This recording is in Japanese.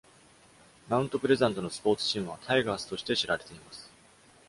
マウントプレザントのスポーツチームは「タイガース」として知られています。